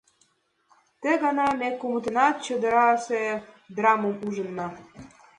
Ты гана ме кумытынат чодырасе драмым ужынна.